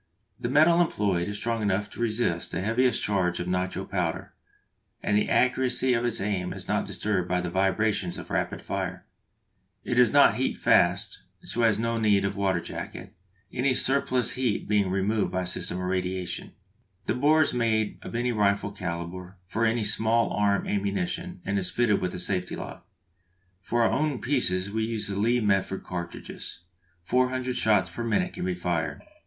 The metal employed is strong enough to resist the heaviest charge of nitro powder, and the accuracy of its aim is not disturbed by the vibrations of rapid fire. It does not heat fast, so has no need of a water jacket, any surplus heat being removed by a system of radiation. The bore is made of any rifle calibre for any small arm ammunition, and is fitted with a safety lock. For our own pieces we use the Lee Metford cartridges. Four hundred shots per minute can be fired.